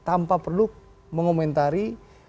tanpa perlu mengomentari